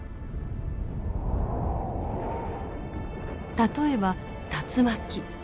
例えば竜巻。